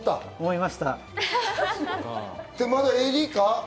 まだＡＤか？